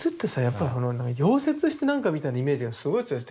やっぱり溶接して何かみたいなイメージがすごい強いんです。